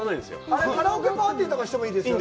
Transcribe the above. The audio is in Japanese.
あれ、カラオケパーティーとかしてもいいんですよね。